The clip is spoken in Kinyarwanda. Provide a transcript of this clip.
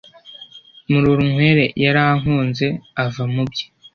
murorunkwere yarankunze ava mubye